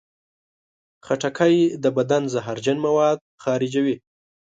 خټکی د بدن زهرجن مواد خارجوي.